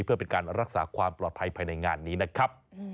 เพื่อเป็นการรักษาความปลอดภัยภายในงานนี้นะครับ